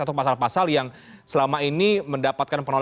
atau pasal pasal yang selama ini mendapatkan penolakan